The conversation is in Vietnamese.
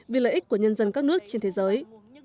vì lợi ích của nhân dân các nước trên thế giới